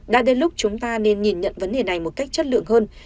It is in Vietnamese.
đã đến lúc chúng ta nên nhìn nhận vấn đề này một cách chất lượng hơn